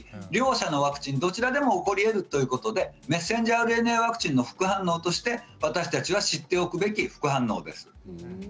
両者のワクチンどちらでも起こりえるということでメッセンジャーＲＮＡワクチンの副反応として私たち知っておくべき副反応です。